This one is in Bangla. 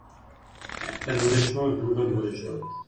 একটা ধরেছ, দুটো ধরেছ।